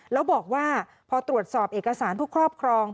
แล้วบอกว่าพอตรวจสอบเอกสารผู้ครอบครอง